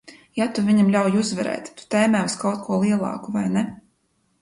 Ja tu viņam ļauj uzvarēt, tu tēmē uz kaut ko lielāku, vai ne?